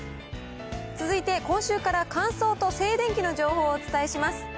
続いて今週から、乾燥と静電気の情報をお伝えします。